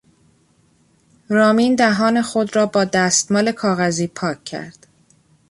رامین دهان خود را با دستمال کاغذی پاک کرد.